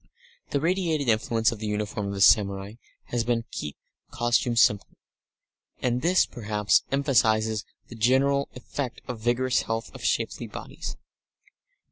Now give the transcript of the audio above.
The radiated influence of the uniform of the samurai has been to keep costume simple, and this, perhaps, emphasises the general effect of vigorous health, of shapely bodies.